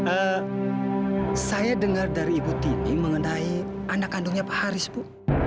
eh saya dengar dari ibu tini mengenai anak kandungnya pak haris bu